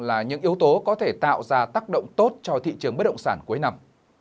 là những yếu tố có thể tạo ra tác động tốt cho thị trường bất động sản cuối năm